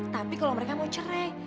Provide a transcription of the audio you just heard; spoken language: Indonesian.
tapi kalau mereka mau cerai